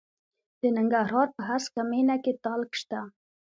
د ننګرهار په هسکه مینه کې تالک شته.